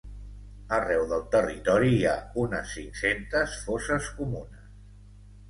Arreu del territori hi ha unes cinc-centes fosses comunes.